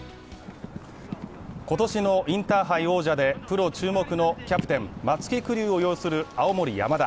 今年のインターハイ王者でプロ注目のキャプテン・松木玖生を擁する青森山田。